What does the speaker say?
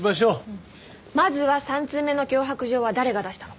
まずは３通目の脅迫状は誰が出したのか。